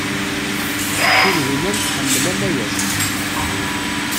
Tinhinan tḥemmel Amayas.